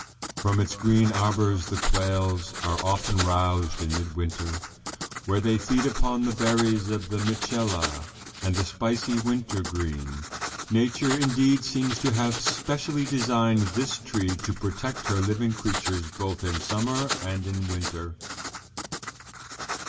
From its green arbors the quails are often roused in midwinter, where they feed upon the berries of the Mitchella and the spicy wintergreen. Nature, indeed, seems to have specially designed this tree to protect her living creatures both in summer and in winter.'"